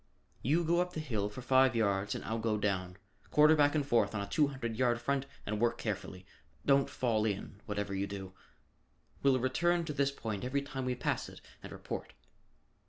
You go up the hill for five yards and I'll go down. Quarter back and forth on a two hundred yard front and work carefully. Don't fall in, whatever you do. We'll return to this point every time we pass it and report."